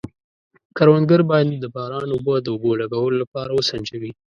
کروندګر باید د باران اوبه د اوبو لګولو لپاره وسنجوي.